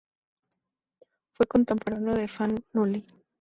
Fue contemporáneo de Fan Noli.